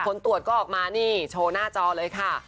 ผลตรวจก็ออกมานี่โชว์หน้าจอเลยค่ะ